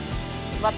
また。